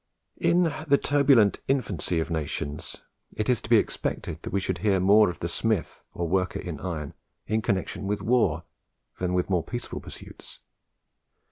In the turbulent infancy of nations it is to be expected that we should hear more of the Smith, or worker in iron, in connexion with war, than with more peaceful pursuits.